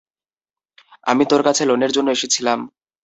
আমি তোর কাছে লোনের জন্য এসেছিলাম।